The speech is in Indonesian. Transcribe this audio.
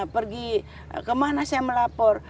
pergi kemana saya melapor